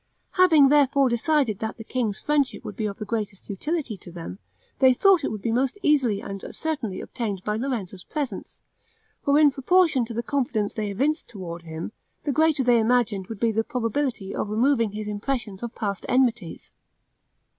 Having therefore decided that the king's friendship would be of the greatest utility to them, they thought it would be most easily and certainly obtained by Lorenzo's presence; for in proportion to the confidence they evinced toward him, the greater they imagined would be the probability of removing his impressions of past enmities.